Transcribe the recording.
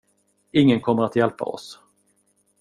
Ingen kommer att hjälpa oss.